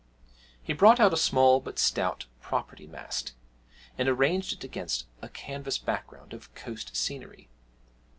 He brought out a small but stout property mast, and arranged it against a canvas background of coast scenery.